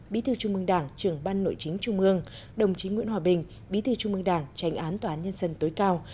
bí thư trung mương đảng trưởng ban nội chính trung mương đồng chí nguyễn hòa bình bí thư trung mương đảng tránh án tòa án nhân dân tối cao